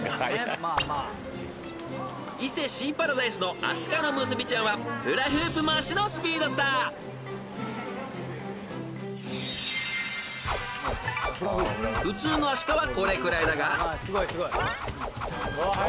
［伊勢シーパラダイスのアシカのムスビちゃんはフラフープ回しのスピードスター］［普通のアシカはこれくらいだが］